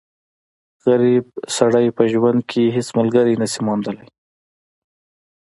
غریب سړی په ژوند کښي هيڅ ملګری نه سي موندلای.